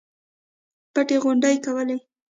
پټې غونډې کولې.